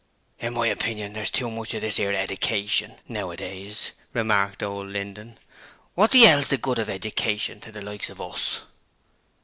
'In my opinion ther's too much of this 'ere eddication, nowadays,' remarked old Linden. 'Wot the 'ell's the good of eddication to the likes of us?'